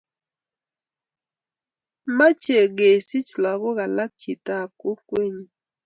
mechei kosich lagok alak chitab kokwenyu